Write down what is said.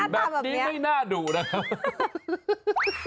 แบบนี้ไม่น่าดุนะครับ